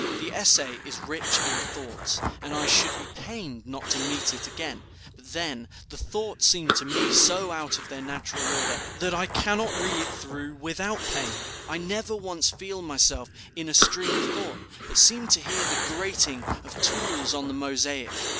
The essay is rich in thoughts, and I should be pained not to meet it again. But then, the thoughts seem to me so out of their natural order, that I cannot read it through without pain. I never once feel myself in a stream of thought, but seem to hear the grating of tools on the mosaic.